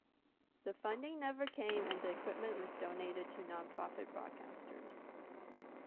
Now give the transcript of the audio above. The funding never came and the equipment was donated to non profit broadcasters.